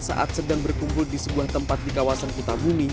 saat sedang berkumpul di sebuah tempat di kawasan kutabumi